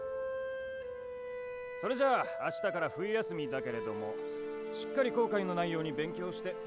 それじゃ明日から冬休みだけれどもしっかり後悔のないように勉強して受験に備えてな。